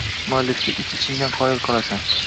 Muallifga ich-ichingdan qoyil qolasan